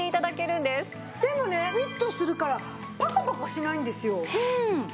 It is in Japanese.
でもねフィットするからパカパカしないんですよ。